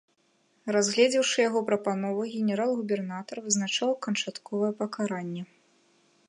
Разгледзеўшы яго прапанову, генерал-губернатар вызначаў канчатковае пакаранне.